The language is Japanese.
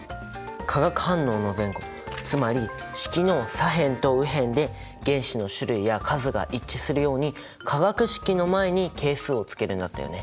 化学反応の前後つまり式の左辺と右辺で原子の種類や数が一致するように化学式の前に「係数」をつけるんだったよね。